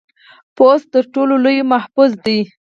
پوست تر ټر ټولو لوی محافظ دی.